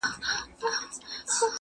په خپلوي یې عالمونه نازېدله؛